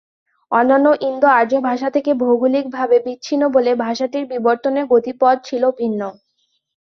অন্যান্য ইন্দো-আর্য ভাষা থেকে ভৌগলিকভাবে বিচ্ছিন্ন বলে ভাষাটির বিবর্তনের গতিপথ ছিল ভিন্ন।